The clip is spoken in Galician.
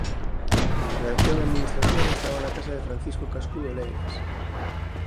A redacción e administración estaba na casa de Francisco Cascudo Leiras.